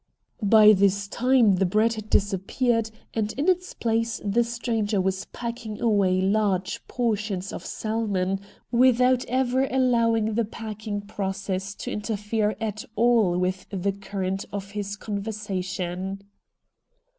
By this time the bread had disappeared find in its place the stranger was packing away large portions of salmon, without ever allowing the packing process to interfere at all with the current of his conversation.